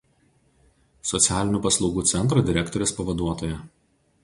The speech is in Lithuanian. Socialinių paslaugų centro direktorės pavaduotoja.